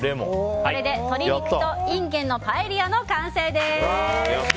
これで鶏肉とインゲンのパエリアの完成です。